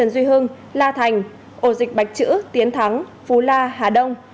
duy hưng la thành ổ dịch bạch chữ tiến thắng phú la hà đông